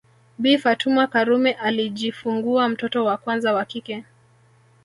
Bi Fatuma Karume alijifungua mtoto wa kwanza wa kike